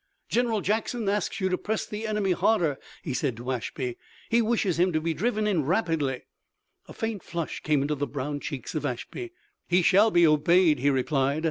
"General Jackson asks you to press the enemy harder!" he said to Ashby. "He wishes him to be driven in rapidly!" A faint flush came into the brown cheeks of Ashby. "He shall be obeyed," he replied.